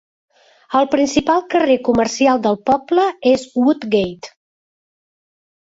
El principal carrer comercial del poble és Woodgate.